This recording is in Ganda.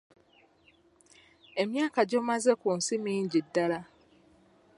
Emyaka gy’omaze ku nsi mingi ddala.